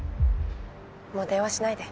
もう電話しないで。